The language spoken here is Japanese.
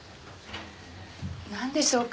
なんでしょうか？